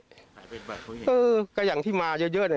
สายปฏิบัติเขาเห็นเออก็อย่างที่มาเยอะเยอะน่ะ